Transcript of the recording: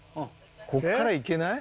こっから行けない？